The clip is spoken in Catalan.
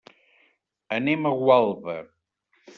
Anem a Gualba.